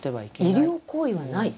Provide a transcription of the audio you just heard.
医療行為はない？